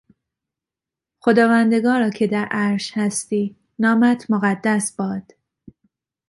خداوندگارا که در عرش هستی، نامت مقدس باد!